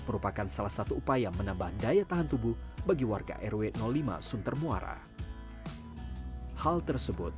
merupakan salah satu upaya menambah daya tahan tubuh bagi warga rw lima suntermuara hal tersebut